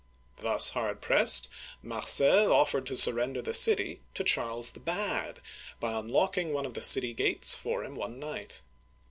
Thus hard pressed, Mar cel offered to sujrrender the city to Charles the Bad, by unlocking one of the city gates for him one night.